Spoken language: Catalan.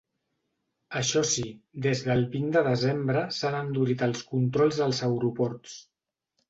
Això sí, des del vint de desembre s’han endurit els controls als aeroports.